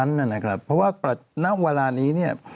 เพราะว่าณเวลานี้